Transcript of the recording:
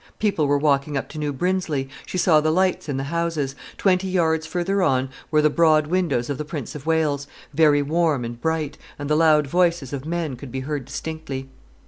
People were walking up to New Brinsley; she saw the lights in the houses; twenty yards further on were the broad windows of the 'Prince of Wales', very warm and bright, and the loud voices of men could be heard distinctly.